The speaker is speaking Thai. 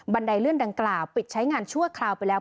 ไดเลื่อนดังกล่าวปิดใช้งานชั่วคราวไปแล้ว